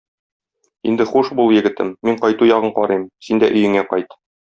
Инде хуш бул, егетем, мин кайту ягын карыйм, син дә өеңә кайт!